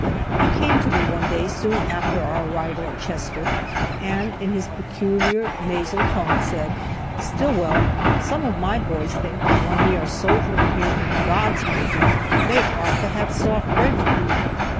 He came to me one day soon after our arrival at Chester, and in his peculiar nasal tone said: "Stillwell, some of my boys think that when we are soldiering here in 'God's Country,' they ought to have soft bread to eat.